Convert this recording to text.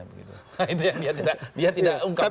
nah itu yang dia tidak dia tidak ungkapkan